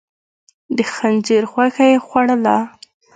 د خنزير غوښه يې خوړله؟